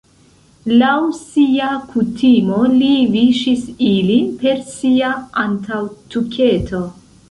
Laŭ sia kutimo li viŝis ilin per sia antaŭtuketo.